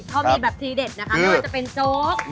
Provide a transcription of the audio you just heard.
พอมีแบบทีเด็ดนะคะไม่ว่าจะเป็นโจ๊ก